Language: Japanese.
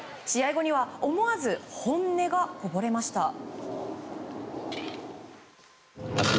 試合後には思わず本音がこぼれました。